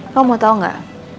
kamu mau tau gak